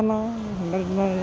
mình cũng không biết